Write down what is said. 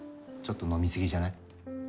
ちょっと飲みすぎじゃない？